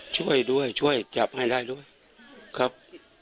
ช่วยด้วยช่วยจับให้ได้ด้วยครับ